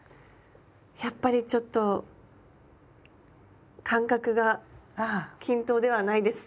やっぱりちょっと間隔が均等ではないです。